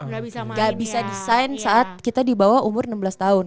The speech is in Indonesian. gak bisa di sign saat kita dibawa umur enam belas tahun